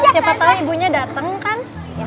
siapa tau ibunya dateng kan